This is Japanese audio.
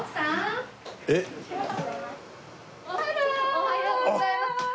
おはようございます。